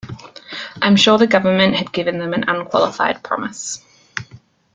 I'm sure the government had given them an unqualified promise.